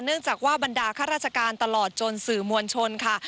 เนื่องจากว่าบรรดาข้าราชการตลอดจนสื่อมวลชนค่ะ